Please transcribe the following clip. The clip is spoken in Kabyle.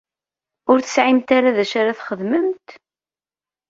Ur tesɛimt ara d acu ara txedmemt?